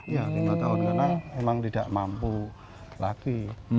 iya lima tahun karena memang tidak mampu lagi